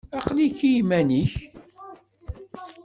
Aql-ik i yiman-nnek?